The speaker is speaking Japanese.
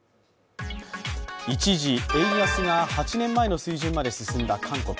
一時、円安が８年前の水準まで進んだ韓国。